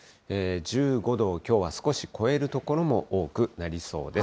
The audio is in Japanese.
１５度をきょうは少し超える所も多くなりそうです。